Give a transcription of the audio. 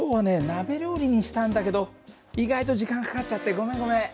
鍋料理にしたんだけど意外と時間かかっちゃってごめんごめん。